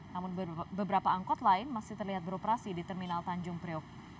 namun beberapa angkot lain masih terlihat beroperasi di terminal tanjung priok